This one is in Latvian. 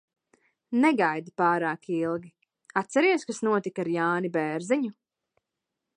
Negaidi pārāk ilgi. Atceries, kas notika ar Jāni Bērziņu?